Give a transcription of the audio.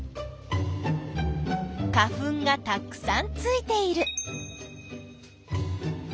花粉がたくさんついている。